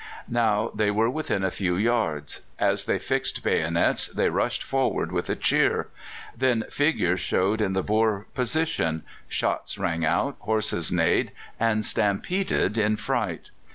Now they were within a few yards; as they fixed bayonets they rushed forward with a cheer. Then figures showed in the Boer position; shots rang out, horses neighed and stampeded in fright.